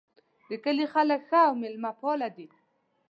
د کلي خلک ښه او میلمه پال دي